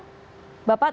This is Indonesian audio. bapak terima kasih